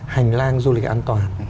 hành lang du lịch an toàn